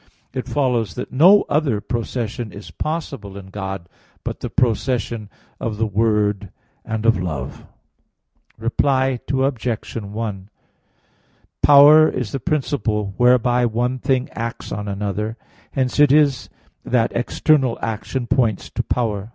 It follows that no other procession is possible in God but the procession of the Word, and of Love. Reply Obj. 1: Power is the principle whereby one thing acts on another. Hence it is that external action points to power.